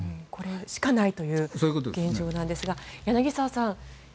これしかないという現状なんですが柳澤さん